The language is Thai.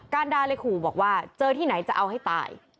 การดาเลยขู่บอกว่าเจอที่ไหนจะเอาให้ตาย